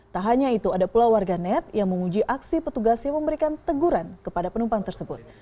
tak hanya itu ada pula warga net yang menguji aksi petugas yang memberikan teguran kepada penumpang tersebut